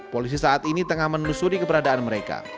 polisi saat ini tengah menelusuri keberadaan mereka